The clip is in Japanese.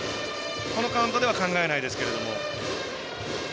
このカウントでは考えないですが。